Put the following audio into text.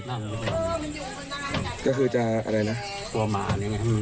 นั่งอยู่บนตรงนี้ก็คือจะอะไรนะกลัวหมานี่ไงอืม